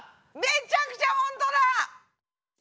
めちゃくちゃほんとだ！